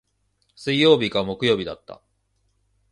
水曜日か木曜日だった。